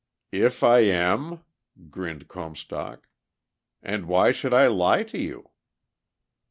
"If I am?" grinned Comstock. "And why should I lie to you?"